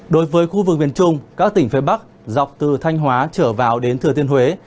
đối với khu vực miền trung các tỉnh phía bắc dọc từ thanh hóa trở vào đến thừa thiên huế